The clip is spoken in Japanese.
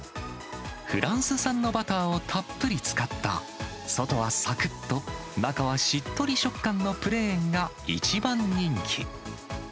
フランス産のバターをたっぷり使った、外はさくっと、中はしっとり食感のプレーンが一番人気。